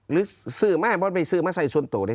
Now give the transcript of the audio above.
หรือสื่อมากพอไม่สื่อมากใส่ส่วนตัวดิ